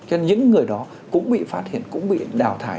cho nên những người đó cũng bị phát hiện cũng bị đào thải